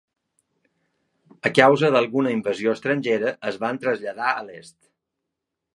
A causa d'alguna invasió estrangera es van traslladar a l'est.